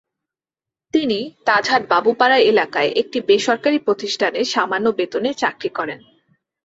তিনি তাজহাট বাবুপাড়া এলাকায় একটি বেসরকারি প্রতিষ্ঠানে সামান্য বেতনে চাকরি করেন।